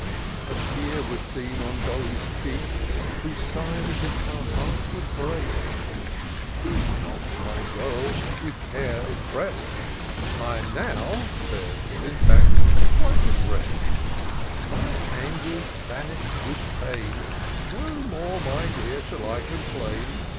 A tear was seen on Dolly's cheek ; Who sigh'd as if her heart would break. Be not, my girl, with care oppress'd; I'm now," says Syntax, " quite at rest : My anger's vanish'd with the pain; No more, my dear, shall I complain.